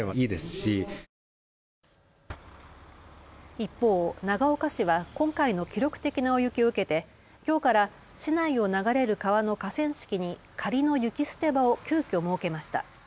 一方、長岡市は今回の記録的な大雪を受けてきょうから市内を流れる川の河川敷に仮の雪捨て場を急きょ設けました。